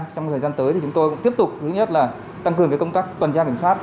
trong thời gian tới chúng tôi cũng tiếp tục tăng cường công tác toàn tra kiểm soát